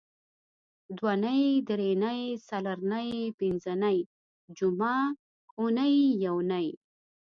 دونۍ درېنۍ څلرنۍ پینځنۍ جمعه اونۍ یونۍ